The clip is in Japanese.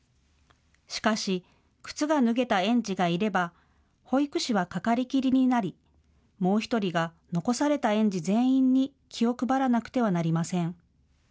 しかし靴が脱げた園児がいれば保育士はかかりきりになりもう１人が残された園児全員に気を配らなくてはなりません。